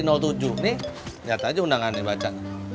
nih lihat aja undangannya baca